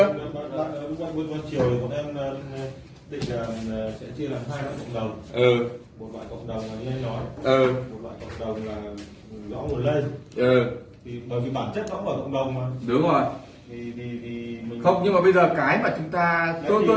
bạn đã bắt đầu bước vào chiều thì bọn em định là sẽ chia làm hai loại cộng đồng một loại cộng đồng là như anh nói một loại cộng đồng là dõi nguồn lây